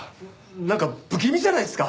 なんか不気味じゃないですか。